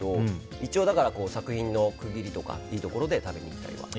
一応、作品の区切りとかいいところで食べに行ったりとか。